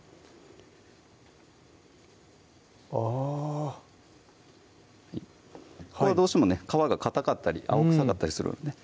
あここはどうしてもね皮がかたかったり青臭かったりするのでね